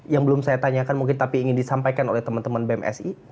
yang belum saya tanyakan mungkin tapi ingin disampaikan oleh teman teman bmsi